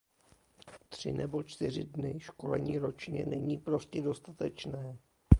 Tři nebo čtyři dny školení ročně není prostě dostatečné.